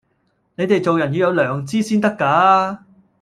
你哋做人要哋良知先得架